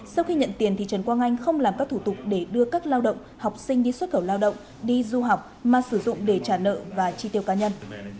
sau khi nhận tiền trần quang anh không làm các thủ tục để đưa các lao động học sinh đi xuất khẩu lao động đi du học mà sử dụng để trả nợ và chi tiêu cá nhân